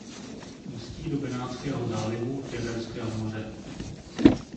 Ústí do Benátského zálivu Jaderského moře.